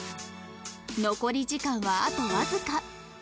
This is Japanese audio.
残り時間はあとわずか